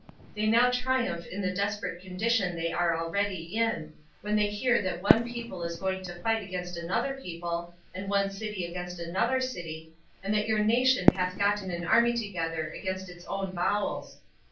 They now triumph in the desperate condition they are already in, when they hear that one people is going to fight against another people, and one city against another city, and that your nation hath gotten an army together against its own bowels.